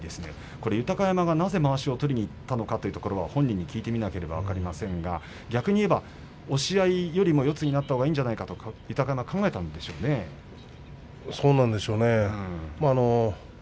これは豊山がなぜまわしを取りにいったのか本人に聞いてみなければいけませんが押し合いよりは四つになったほうがいいんじゃないかというふうにそうなんでしょうね。